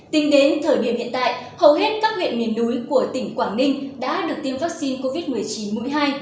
tính đến thời điểm hiện tại hầu hết các huyện miền núi của tỉnh quảng ninh đã được tiêm vaccine covid một mươi chín mũi hai